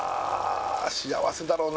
幸せだろうな